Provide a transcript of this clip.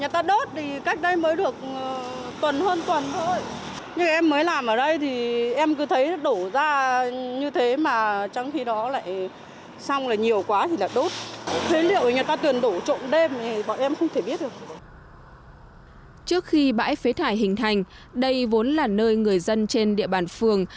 trước khi bãi phế thải hình thành đây vốn là nơi người dân trên địa bàn phường